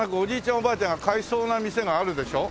おばあちゃんが買いそうな店があるでしょ？